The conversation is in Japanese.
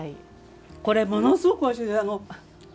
これものすごくおいしいです。